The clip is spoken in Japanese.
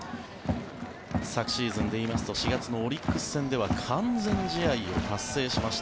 昨シーズンでいいますと４月のオリックス戦では完全試合を達成しました。